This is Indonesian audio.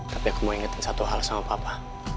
tapi aku mau ingetin satu hal sama papa